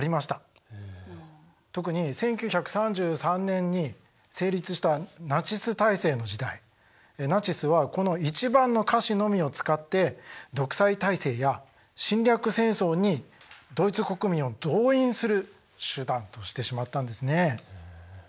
特に１９３３年に成立したナチス体制の時代ナチスはこの１番の歌詞のみを使って独裁体制や侵略戦争にドイツ国民を動員する手段としてしまったんですね。